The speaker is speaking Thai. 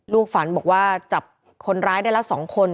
ฝันบอกว่าจับคนร้ายได้ละ๒คน